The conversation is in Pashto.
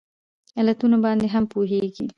علتونو باندې هم پوهیږي